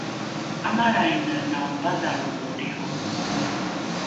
’amalraine naopadhalro’o lriho’o